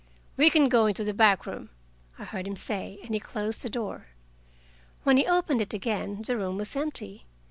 "We can go into the back room," I heard him say, and he closed the door. When he opened it again, the room was empty.